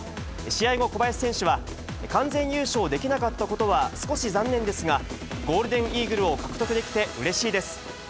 試合後、小林選手は完全優勝できなかったことは、少し残念ですが、ゴールでイーグルを獲得できてうれしいです。